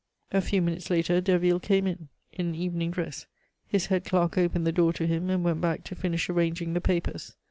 A few minutes later Derville came in, in evening dress; his head clerk opened the door to him, and went back to finish arranging the papers.